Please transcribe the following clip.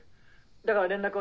だから連絡を。